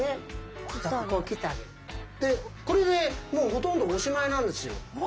これでもうほとんどおしまいなんですよ。